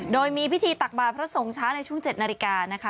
โดยมีพิธีตักบาทพระสงฆ์ช้าในช่วง๗นาฬิกานะคะ